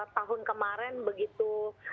tahun kemarin begitu